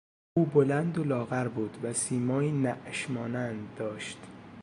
او بلند و لاغر بود و سیمایی نعش مانند داشت.